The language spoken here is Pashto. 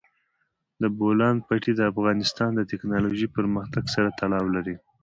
د بولان پټي د افغانستان د تکنالوژۍ پرمختګ سره تړاو لري.